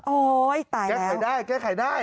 โอ๊ยตายแล้ว